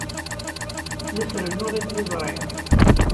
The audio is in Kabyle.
La as-rennuɣ i tliẓri.